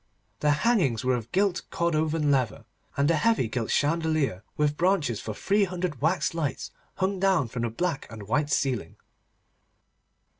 The hangings were of gilt Cordovan leather, and a heavy gilt chandelier with branches for three hundred wax lights hung down from the black and white ceiling.